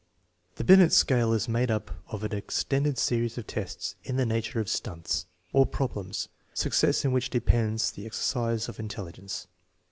The tJinel scale is made up of an extended series of tests in the naturcT'of "stunts," or problems, success in which demands the exercise of in telligence.